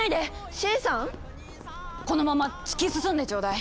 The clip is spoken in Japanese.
シエリさん⁉このまま突き進んでちょうだい！